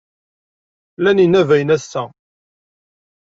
Llan yinabayen ass-a?